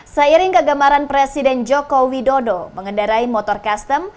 seiring kegemaran presiden joko widodo mengendarai motor custom